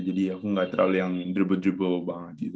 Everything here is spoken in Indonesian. jadi aku gak terlalu yang dribble dribble banget gitu